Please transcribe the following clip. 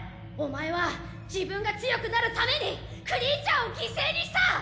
お前は自分が強くなるためにクリーチャーを犠牲にした！